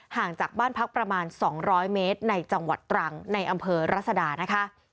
ห่างจากบ้านพักประมาณ๒๐๐เมตรในจังหวัดตรังในอำเภอรัศดานะคะ